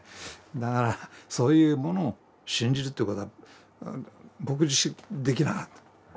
だからそういうものを信じるということは僕自身できなかった。